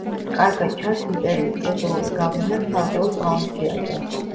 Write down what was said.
კარგად ჩანს იმპერიის კულტურული გავლენა ცალკეულ პროვინციაზე.